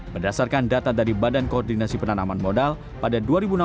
berdasarkan data dari badan koordinasi penanaman modal pada dua ribu enam belas